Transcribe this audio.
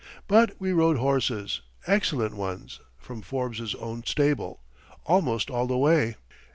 But we rode horses, excellent ones, from Forbes's own stable, almost all the way.